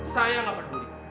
saya gak peduli